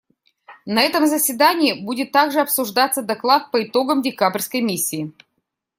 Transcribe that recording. На этом заседании будет также обсуждаться доклад по итогам декабрьской миссии.